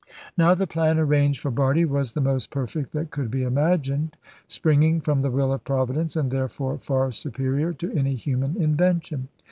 Now the plan arranged for Bardie was the most perfect that could be imagined, springing from the will of Providence, and therefore far superior to any human invention.